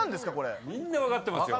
みんな分かってますよ。